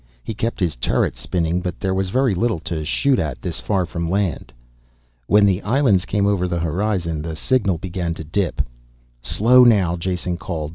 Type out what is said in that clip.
He kept his turret spinning, but there was very little to shoot at this far from land. When the islands came over the horizon the signal began to dip. "Slow now," Jason called.